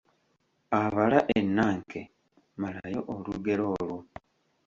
Abala ennanke, malayo olugero olwo.